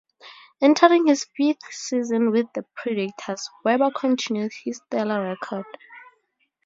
Entering his fifth season with the Predators, Weber continued his stellar record.